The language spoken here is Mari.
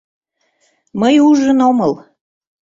— Мый ужын омыл.